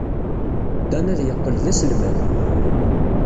Dan ad yeqqel d aselmad.